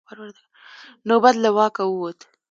نوبت له واکه ووت.